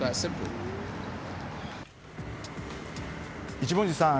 一文字さん。